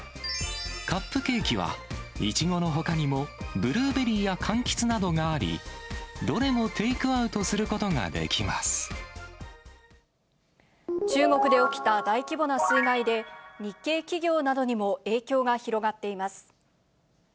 カップケーキは、いちごのほかにもブルーベリーやかんきつなどがあり、どれもテイ中国で起きた大規模な水害で、日系企業などにも影響が広がっています。